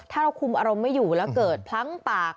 ถ้าเราคุมอารมณ์ไม่อยู่แล้วเกิดพลั้งปาก